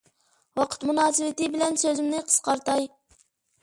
ۋاقىت مۇناسىۋىتى بىلەن سۆزۈمنى قىسقارتاي.